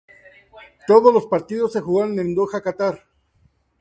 Todos los partidos se jugaron en Doha, Catar.